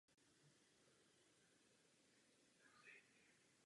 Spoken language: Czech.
Další arabská sídla pak pokračují i v takzvaném Trojúhelníku.